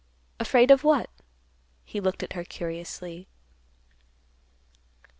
afraid of what?" he looked at her curiously.